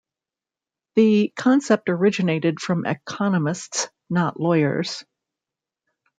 The concept originated from economists, not lawyers.